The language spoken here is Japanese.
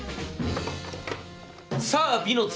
さあ「美の壺」